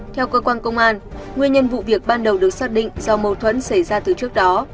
theo cơ quan công an nguyên nhân vụ việc ban đầu được xác định do mâu thuẫn xảy ra từ trước đó